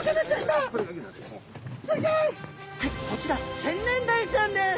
はいこちらセンネンダイちゃんです。